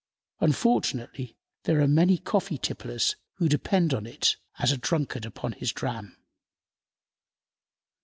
Unfortunately, there are many coffee tipplers who depend upon it as a drunkard upon his dram.